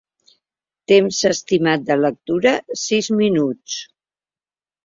Temps estimat de lectura: sis minuts.